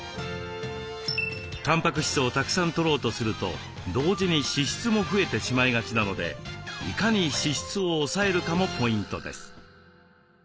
たんぱく質をたくさんとろうとすると同時に脂質も増えてしまいがちなのでいかに脂質を抑えるかもポイントです。